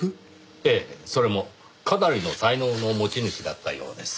ええそれもかなりの才能の持ち主だったようです。